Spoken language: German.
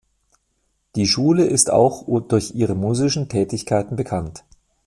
Die Schule ist auch durch ihre musischen Tätigkeiten bekannt.